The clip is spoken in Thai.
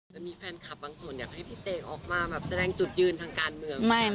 แต่มีแฟนคลับบางส่วนอยากให้พี่เต้ออกมาแบบแสดงจุดยืนทางการเมือง